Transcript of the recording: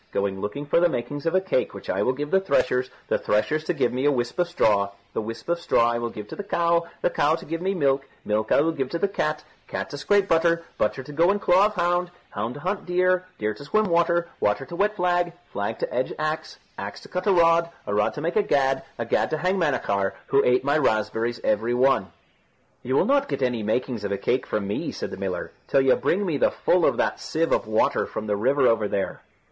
Going looking for the makings of a cake which I will give to the threshers, the threshers to give me a whisp of straw, the whisp of straw I will give to the cow, the cow to give me milk, milk I will give to the cat, cat to scrape butter, butter to go in claw of hound, hound to hunt deer, deer to swim water, water to wet flag, flag to edge axe, axe to cut a rod, a rod to make a gad, a gad to hang Manachar, who ate my raspberries every one." "You will not get any makings of a cake from me," said the miller, "till you bring me the full of that sieve of water from the river over there."